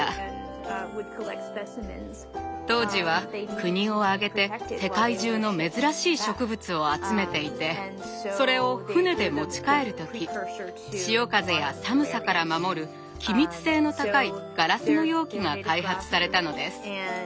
当時は国を挙げて世界中の珍しい植物を集めていてそれを船で持ち帰る時潮風や寒さから守る機密性の高いガラスの容器が開発されたのです。